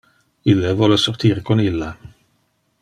Ille vole sortir con illa.